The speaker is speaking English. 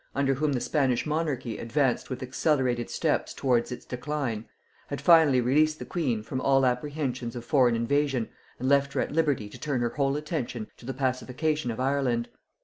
under whom the Spanish monarchy advanced with accelerated steps towards its decline, had finally released the queen from all apprehensions of foreign invasion and left her at liberty to turn her whole attention to the pacification of Ireland.